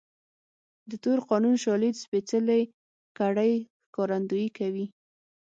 د تور قانون شالید سپېڅلې کړۍ ښکارندويي کوي.